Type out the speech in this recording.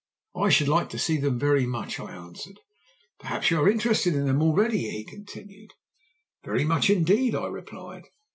"'I should like to see them very much,' I answered. "'Perhaps you are interested in them already?' he continued. "'Very much indeed,' I replied.